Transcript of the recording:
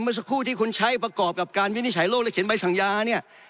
เมื่อสักครู่ที่คุณใช้ประกอบกับการวินิจฉัยโลกและเขียนใบสัญญาเนี่ย